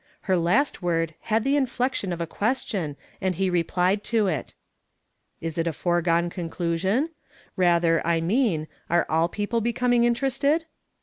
Her last word had the hiflection of a question, and he rephed to it. "Is that a foregone conclusion? Rather, I mean, are all people becoming interested?"